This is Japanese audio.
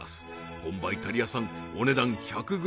本場イタリア産お値段１００ｇ